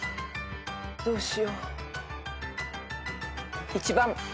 どうしよう。